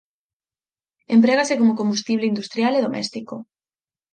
Emprégase como combustible industrial e doméstico.